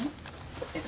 えっ？